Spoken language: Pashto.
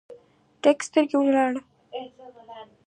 ډکې سترګې ولاړې